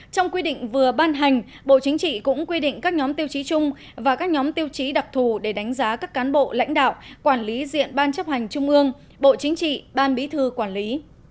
trong quy định vừa ban hành bộ chính trị cũng quy định các nhóm tiêu chí chung và các nhóm tiêu chí đặc thù để đánh giá các cán bộ lãnh đạo quản lý diện ban chấp hành trung ương bộ chính trị ban bí thư quản lý